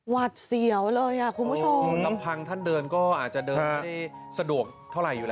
วัดเสียวเลยอ่ะคุณผู้ชมลำพังท่านเดินก็อาจจะเดินไม่ได้สะดวกเท่าไหร่อยู่แล้ว